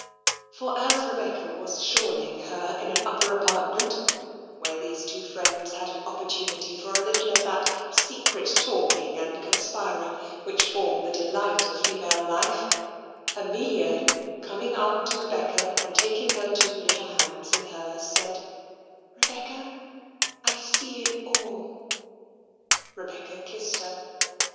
For as Rebecca was shawling her in an upper apartment, where these two friends had an opportunity for a little of that secret talking and conspiring which form the delight of female life, Amelia, coming up to Rebecca, and taking her two little hands in hers, said, "Rebecca, I see it all." Rebecca kissed her.